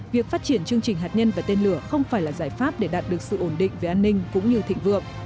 việc phát triển chương trình hạt nhân và tên lửa không phải là giải pháp để đạt được sự ổn định về an ninh cũng như thịnh vượng